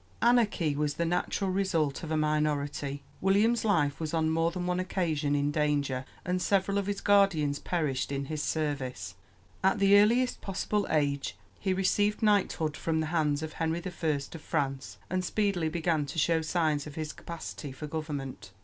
Anarchy was the natural result of a minority. William's life was on more than one occasion in danger, and several of his guardians perished in his service. At the earliest possible age he received knighthood from the hands of Henry I. of France, and speedily began to show signs of his capacity for government.